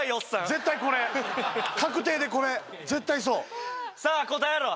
絶対これ確定でこれ絶対そうさあ答えろ！